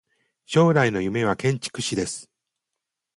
将来の夢は建築士です。